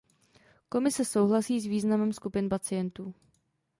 Komise souhlasí s významem skupin pacientů.